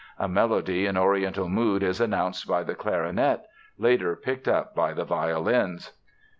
A melody in Oriental mood is announced by the clarinet, later picked up by the violins.